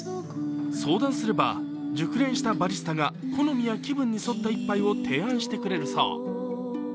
相談すれば、熟練したバリスタが好みや気分に沿った１杯を提案してくれるそう。